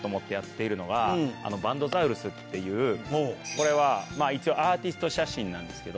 これは一応アーティスト写真なんですけど。